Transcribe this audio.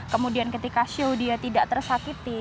kemudian ketika show dia tidak tersakiti